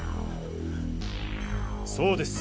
そうです。